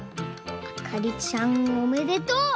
あかりちゃんおめでとう！